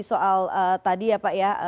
soal tadi ya pak ya